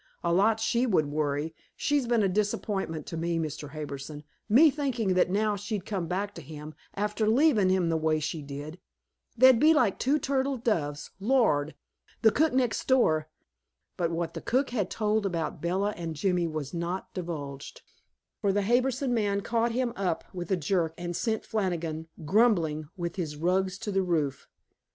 "A lot she would worry. She's been a disappointment to me, Mr. Harbison, me thinking that now she'd come back to him, after leavin' him the way she did, they'd be like two turtle doves. Lord! The cook next door " But what the cook had told about Bella and Jimmy was not divulged, for the Harbison man caught him up with a jerk and sent Flannigan, grumbling, with his rugs to the roof.